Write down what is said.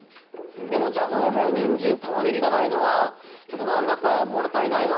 でもじゃがいもやにんじんたまねぎがないのはちょっと何だか物足りないな。